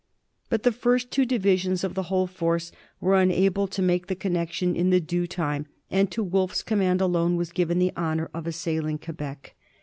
But the first two divisions of the who]e force were unable to make the connection in the due time, and to Wolfe's command alone was given the honor of assailing Quebec.